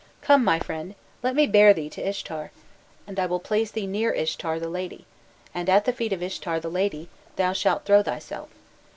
"'Come, my friend, let me bear thee to Ishtar, and I will place thee near Ishtar, the lady, and at the feet of Ishtar, the lady, thou shalt throw thyself.